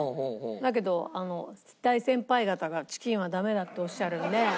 だけど大先輩方がチキンはダメだっておっしゃるんで。